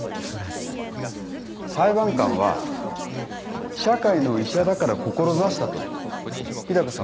裁判官は社会の医者だから志したと日高さん